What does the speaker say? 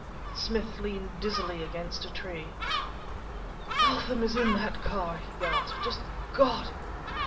Smith leaned dizzily against a tree. "Eltham is in that car!" he gasped. "Just God!